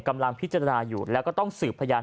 กำลังพิจารณาอยู่แล้วก็ต้องสืบพยาน